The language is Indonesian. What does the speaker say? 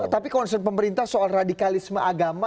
tapi concern pemerintah soal radikalisme agama